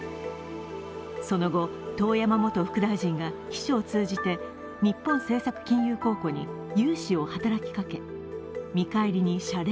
その後、遠山元副大臣が秘書を通じて日本政策金融公庫に融資を働きかけ、見返りに謝礼